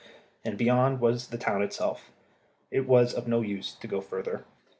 And beyond was the town itself. It was of no use for us to go further.